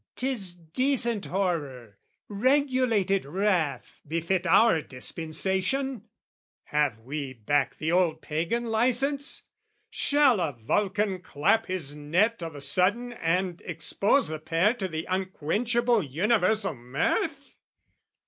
'Tis decent horror, regulated wrath, Befit our dispensation: have we back The old Pagan licence? Shall a Vulcan clap His net o' the sudden and expose the pair To the unquenchable universal mirth?